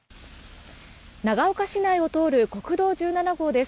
長岡市内を通る国道１７号です。